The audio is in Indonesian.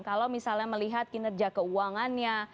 kalau misalnya melihat kinerja keuangannya